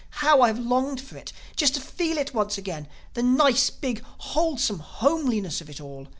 How I have longed for it! Just to feel it once again, the nice, big, wholesome homeliness of it all!